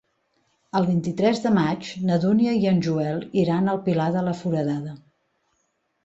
El vint-i-tres de maig na Dúnia i en Joel iran al Pilar de la Foradada.